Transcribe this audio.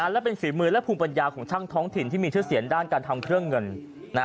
และเป็นฝีมือและภูมิปัญญาของช่างท้องถิ่นที่มีชื่อเสียงด้านการทำเครื่องเงิน